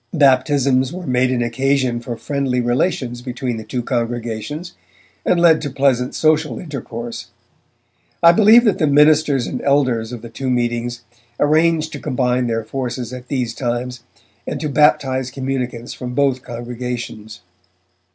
Baptisms were made an occasion for friendly relations between the two congregations, and led to pleasant social intercourse. I believe that the ministers and elders of the two meetings arranged to combine their forces at these times, and to baptize communicants from both congregations.